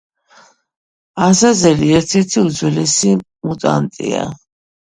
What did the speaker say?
აზაზელი ერთ-ერთი უძველესი მუტანტია.